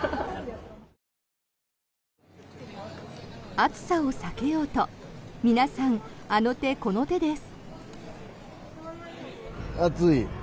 暑さを避けようと皆さん、あの手この手です。